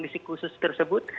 ya di kondisi kurikulum tersebut